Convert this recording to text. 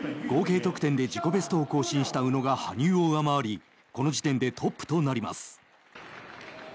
合計得点で自己ベストを更新した宇野が羽生を上回りこの時点でトップとなります。